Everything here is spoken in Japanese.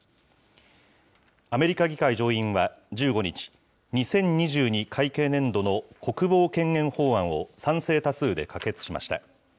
アメリカ議会上院は、１５日、２０２２会計年度の国防権限法案を賛成多数で可決しました。